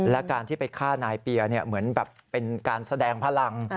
และการที่ไปฆ่านายเปียเหมือนแบบเป็นการแสดงพลัง